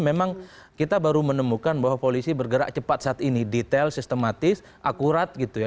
memang kita baru menemukan bahwa polisi bergerak cepat saat ini detail sistematis akurat gitu ya